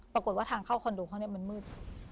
ปรากฏว่าทางเข้าคอนโดห้องนี้มันมืด